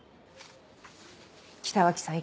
北脇さん